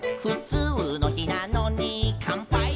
「普通の日なのに乾杯？」